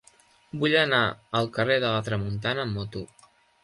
Vull anar al carrer de la Tramuntana amb moto.